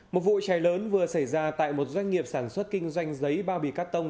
một vụ cháy lớn vừa xảy ra tại một doanh nghiệp sản xuất kinh doanh giấy bao bì cắt tông